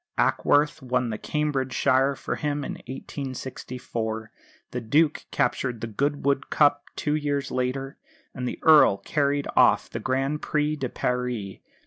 Ackworth won the Cambridgeshire for him, in 1864; the Duke captured the Goodwood Cup two years later; and the Earl carried off the Grand Prix de Paris.